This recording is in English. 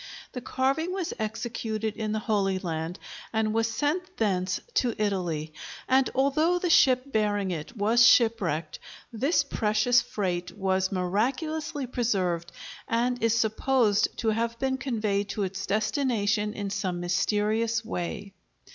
The carving was executed in the Holy Land and was sent thence to Italy, and although the ship bearing it was shipwrecked, this precious freight was miraculously preserved and is supposed to have been conveyed to its destination in some mysterious way.